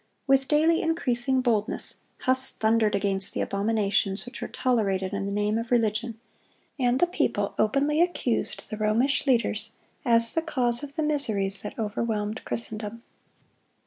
With daily increasing boldness, Huss thundered against the abominations which were tolerated in the name of religion; and the people openly accused the Romish leaders as the cause of the miseries that overwhelmed Christendom.